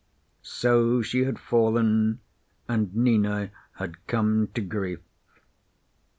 So she had fallen, and Nina had come to grief.